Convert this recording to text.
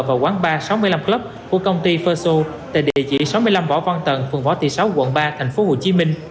vào quán bar sáu mươi năm club của công ty ferso tại địa chỉ sáu mươi năm võ văn tần phường võ thị sáu quận ba tp hcm